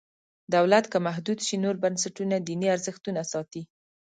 دولت که محدود شي نور بنسټونه دیني ارزښتونه ساتي.